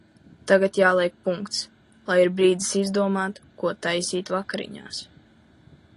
Tagad jāliek punkts, lai ir brīdis izdomāt, ko taisīt vakariņās.